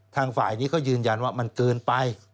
ทางฝ่ายนี้ก็ยืนยันว่ามันเกินไป